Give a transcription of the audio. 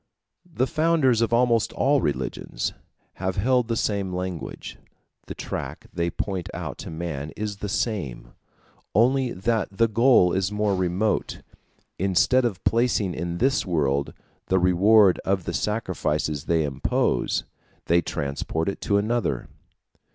The founders of almost all religions have held the same language. The track they point out to man is the same, only that the goal is more remote; instead of placing in this world the reward of the sacrifices they impose, they transport it to another.